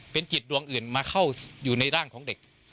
เป็นจิตดวงอื่นมาเข้าอยู่ในร่างของเด็ก